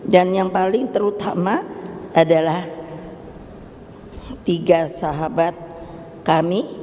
dan yang paling terutama adalah tiga sahabat kami